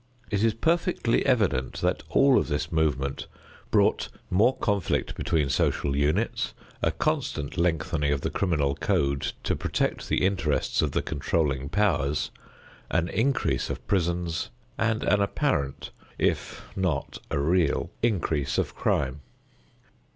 It is perfectly evident that all of this movement brought more conflict between social units, a constant lengthening of the criminal code to protect the interests of the controlling powers, an increase of prisons, and an apparent if not a real increase of crime.